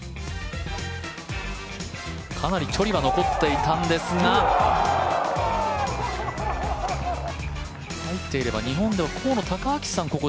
かなり距離は残っていたんですが入っていれば、日本では河野高明さん